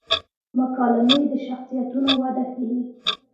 مکالمې د شخصیتونو وده ښيي.